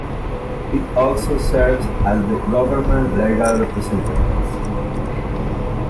It also serves as the government legal representatives.